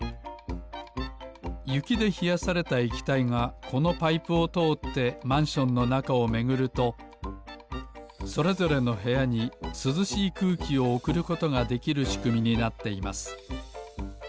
ゆきでひやされたえきたいがこのパイプをとおってマンションのなかをめぐるとそれぞれのへやにすずしいくうきをおくることができるしくみになっています